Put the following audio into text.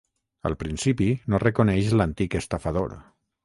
Al principi, no reconeix l'antic estafador.